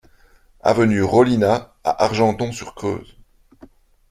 Avenue Rollinat à Argenton-sur-Creuse